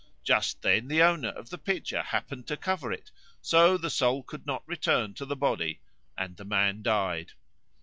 Just then the owner of the pitcher happened to cover it; so the soul could not return to the body and the man died.